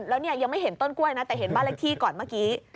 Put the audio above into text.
แล้วเนี่ยยังไม่เห็นต้นกล้วยนะแต่เห็นบ้านเลขที่ก่อนเมื่อกี้